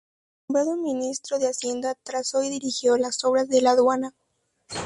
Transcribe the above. Nombrado ministro de Hacienda, trazó y dirigió las obras de la Aduana.